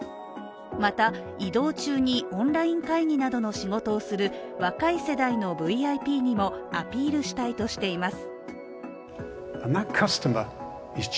また移動中にオンライン会議などの仕事をする若い世代のＶＩＰにもアピールしたいとしています。